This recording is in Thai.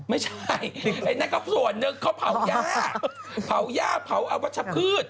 ไม่ใช่ไอ้นั่นก็ส่วนหนึ่งเขาเผาย่าเผาย่าเผาอวัชพืช